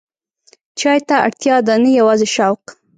چای ته اړتیا ده، نه یوازې شوق.